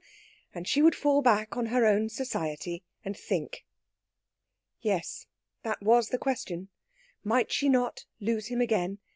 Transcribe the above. and she would fall back on her own society and think.... Yes, that was the question! Might she not lose him again?